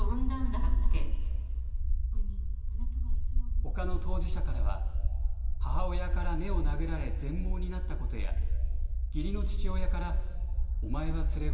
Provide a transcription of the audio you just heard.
ほかの当事者からは母親から目を殴られ全盲になったことや義理の父親からお前は連れ子。